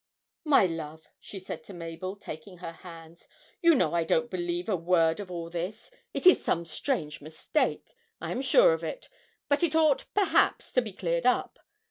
'My love,' she said to Mabel, taking her hands, 'you know I don't believe a word of all this it is some strange mistake, I am sure of it, but it ought, perhaps, to be cleared up.